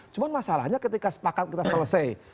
cuma masalahnya ketika sepakat kita selesai